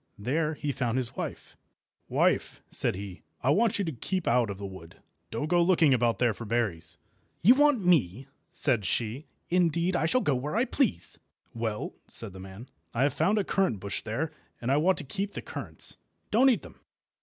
There he found his wife. "Wife," said he, "I want you to keep out of the wood. Don't go looking about there for berries." "You want me!" said she. "Indeed, I shall go where I please." "Well," said the man, "I have found a currant bush there, and I want to keep the currants. Don't eat them."